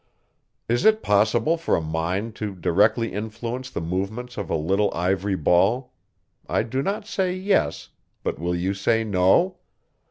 Is it possible for a mind to directly influence the movements of a little ivory ball? I do not say yes, but will you say no?